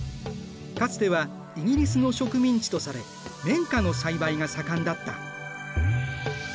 かつてはイギリスの植民地とされ綿花の栽培が盛んだった。